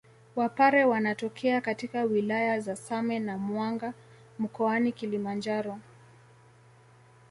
Wapare wanatokea katika wilaya za Same na Mwanga mkoani Kilimanjaro